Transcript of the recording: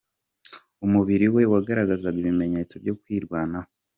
Umubiri we wagaragaza ibimenyetso byo kwirwanaho.